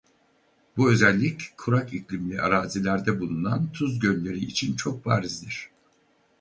Bu özellik kurak iklimli arazilerde bulunan tuz gölleri için çok barizdir.